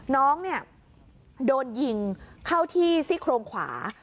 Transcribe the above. น้องเนี่ยโดนยิงเข้าที่ซี่โครงขวา